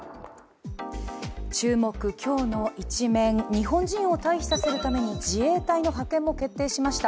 日本人を退避させるために自衛隊の派遣も決定しました